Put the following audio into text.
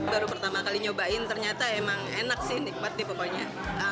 baru pertama kali nyobain ternyata emang enak sih nikmat nih pokoknya